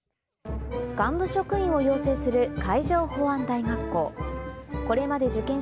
幹部職員を要請する海上保安大学校。